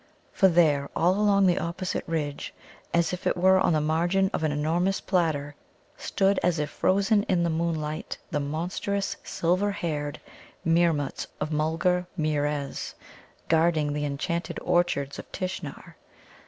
] For there, all along the opposite ridge, as it were on the margin of an enormous platter, stood as if frozen in the moonlight the monstrous silver haired Meermuts of Mulgarmeerez, guarding the enchanted orchards of Tishnar.